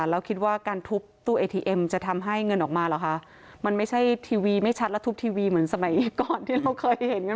แล้วคิดว่าการทุบตู้เอทีเอ็มจะทำให้เงินออกมาเหรอคะมันไม่ใช่ทีวีไม่ชัดและทุบทีวีเหมือนสมัยก่อนที่เราเคยเห็นกัน